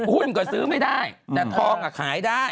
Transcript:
หุ้นก็ซื้อไม่ได้แต่ทองขายได้